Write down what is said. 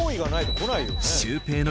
シュウペイの